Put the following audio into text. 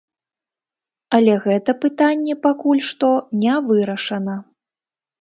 Але гэта пытанне пакуль што не вырашана.